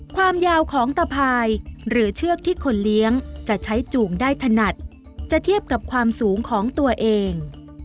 ความยาวของตะพายหรือเชือกที่คนเลี้ยงจะใช้จูงได้ถนัดจะเทียบกับความสูงของตัวเอง